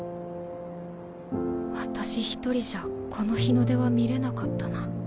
私一人じゃこの日の出は見れなかったな。